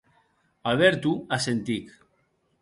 Alberto assentic.